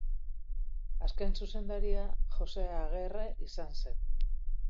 Azken zuzendaria Jose Agerre izan zuen.